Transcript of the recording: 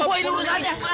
gua dulu njajalin